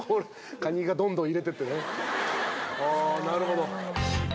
ああなるほど。